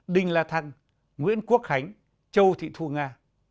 đinh la thăng nguyễn quốc khánh châu thị thu nga